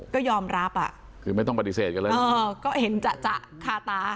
ก็ยอมรับอ่ะคือไม่ต้องปฏิเสธกันเลยเออก็เห็นจะจะคาตา